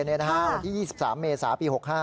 วันที่๒๓เมษาปี๖๕